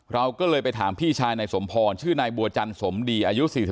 เราก็เลยไปถามพี่ชายในสมพรชื่อนายบัวจรรษมดีอายุ๔๓ปีนะครับ